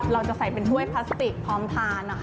เราจะใส่เป็นถ้วยพลาสติกพร้อมทานนะคะ